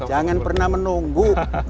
jangan pernah menunggu